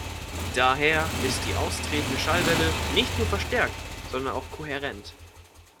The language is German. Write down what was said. Daher ist die austretende Schallwelle nicht nur verstärkt, sondern auch kohärent.